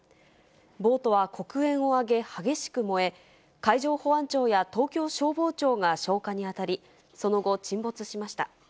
ボートは黒煙を上げ、激しく燃え、海上保安庁や東京消防庁が消火に当たり、その後、沈没しました。